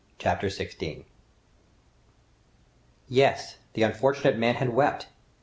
Chapter 16 Yes! the unfortunate man had wept!